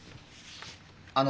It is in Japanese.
あの。